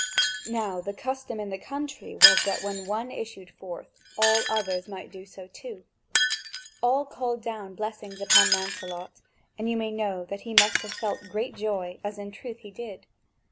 Now the custom in the country was that when one issued forth, all the others might do so too. All called down blessings upon Lancelot: and you may know that he must have felt great joy, as in truth he did.